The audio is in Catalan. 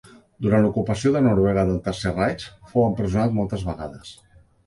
Durant l'ocupació de Noruega pel Tercer Reich fou empresonat moltes vegades.